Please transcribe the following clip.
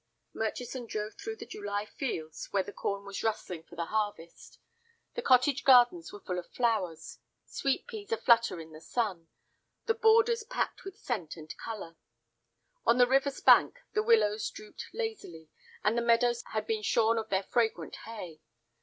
Murchison drove through the July fields where the corn was rustling for the harvest. The cottage gardens were full of flowers, sweet pease a flutter in the sun, the borders packed with scent and color. On the river's bank the willows drooped lazily, and the meadows had been shorn of their fragrant hay.